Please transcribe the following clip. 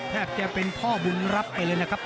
แทบจะเป็นพ่อบุญรับไปเลยนะครับ